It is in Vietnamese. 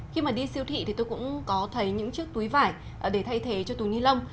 khi mà đi siêu thị thì tôi cũng có thấy những chiếc túi vải để thay thế cho túi ni lông